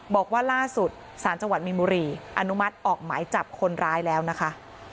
บอกว่าล่าสุดสารจังหวัดมีนบุรีอนุมัติออกหมายจับคนร้ายแล้วนะคะ